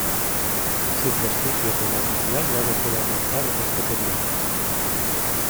Su prestigio como oficial no dejó de aumentar en este periodo.